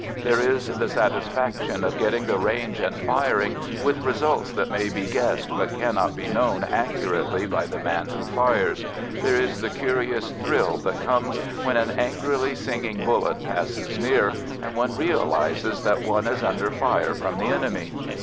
There is the satisfaction of getting the range and firing, with results that may be guessed but cannot be known accurately by the man who fires; there is the curious thrill that comes when an angrily singing bullet passes near, and one realises that one is under fire from the enemy.